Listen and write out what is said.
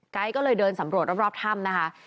ก็เลยเดินสำรวจรอบถ้ำนะคะ